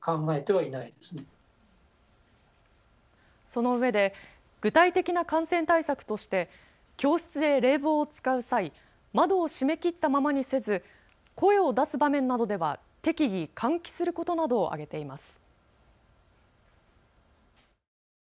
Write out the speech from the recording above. そのうえで具体的な感染対策として教室で冷房を使う際、窓を閉めきったままにせず声を出す場面などでは適宜、換気することなどを挙げています。